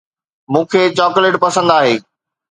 مون کي چاڪليٽ پسند آهي.